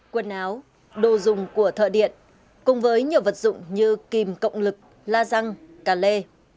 quần áo đồ dùng của thợ điện cùng với nhiều vật dụng như kìm cộng lực la răng cà lê